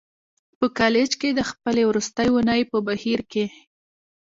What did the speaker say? په کالج کې د خپلې وروستۍ اونۍ په بهیر کې